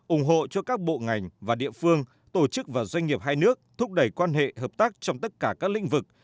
ủng hộ cho các bộ ngành và địa phương tổ chức và doanh nghiệp hai nước thúc đẩy quan hệ hợp tác trong tất cả các lĩnh vực